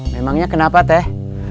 memangnya kenapa teh